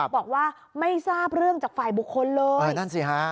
บอกว่าไม่ทราบเรื่องจากฝ่ายบุคคลเลย